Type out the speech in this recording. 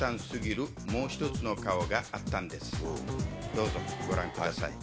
どうぞご覧ください。